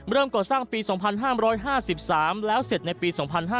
ก่อสร้างปี๒๕๕๓แล้วเสร็จในปี๒๕๕๙